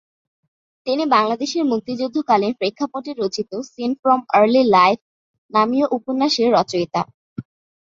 তিনি বাংলাদেশের মুক্তিযুদ্ধকালীন প্রেক্ষাপটে রচিত "সিন ফ্রম আর্লি লাইফ" নামীয় উপন্যাসের রচয়িতা।